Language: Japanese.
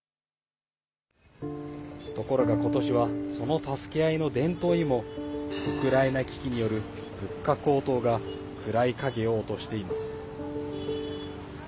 ところが、今年はその助け合いの伝統にもウクライナ危機による物価高騰が暗い影を落としています。